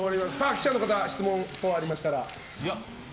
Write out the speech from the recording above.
記者の方、質問等ありましたら。